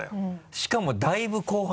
しかもだいぶ後半！